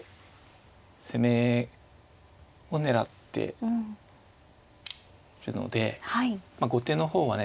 攻めを狙っているので後手の方はね